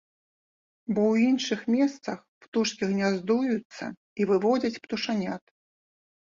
Бо ў іншых месцах птушкі гняздуюцца і выводзяць птушанят.